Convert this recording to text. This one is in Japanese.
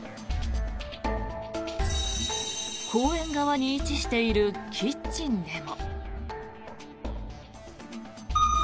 公園側に位置しているキッチンでも。